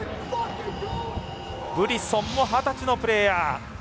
ブリソンも二十歳のプレーヤー。